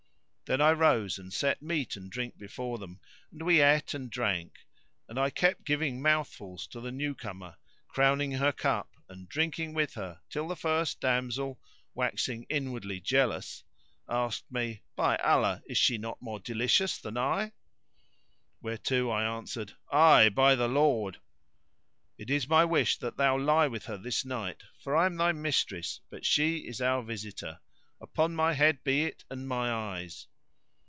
Then I rose and set meat and drink before them, and we ate and drank; and I kept giving mouthfuls to the new comer, crowning her cup and drinking with her till the first damsel, waxing inwardly jealous, asked me, "By Allah, is she not more delicious than I?"; whereto I answered, "Ay, by the Lord!" "It is my wish that thou lie with her this night; for I am thy mistress but she is our visitor. Upon my head be it, and my eyes."